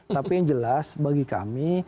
tapi yang jelas bagi kami